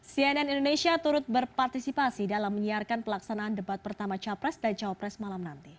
cnn indonesia turut berpartisipasi dalam menyiarkan pelaksanaan debat pertama capres dan cawapres malam nanti